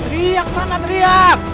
riak saran riak